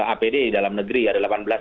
apd di dalam negeri ada delapan belas